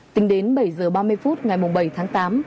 tính đến bảy h ba mươi phút ngày bảy tháng tám đoạn đường này